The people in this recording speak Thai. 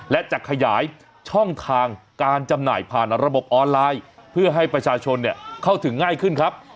และจะขยายช่องทางการจำหน่ายผ่านระบบออนไลน์เพื่อให้ประชาชนเข้าถึงง่ายขึ้นครับ